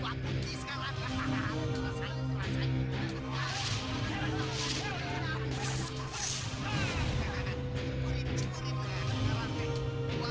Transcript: udah berapa tahun saya jaga bibir aja